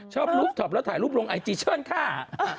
รูปท็อปแล้วถ่ายรูปลงไอจีเชิญค่ะ